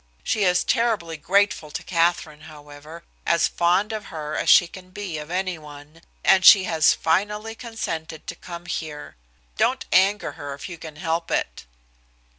She is terribly grateful to Katherine, however, as fond of her as she can be of anyone, and she has finally consented to come here. Don't anger her if you can help it."